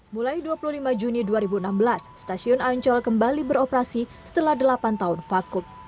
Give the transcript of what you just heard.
mulai dua puluh lima juni dua ribu enam belas stasiun ancol kembali beroperasi setelah delapan tahun vakut